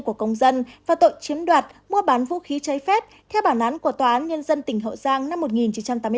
của công dân và tội chiếm đoạt mua bán vũ khí cháy phép theo bản án của tòa án nhân dân tỉnh hậu giang năm một nghìn chín trăm tám mươi tám